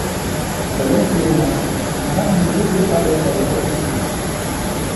Валёнкі яго мокрыя, нагамі ён ледзьве грабае па вільготным снезе.